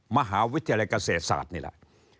มหาวิทยาลัยเกษตรศาสตร์นี่แหละ